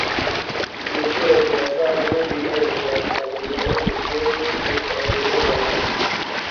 Ibiciro bya zahabu biriyongera cyane nyuma yubukungu budahungabana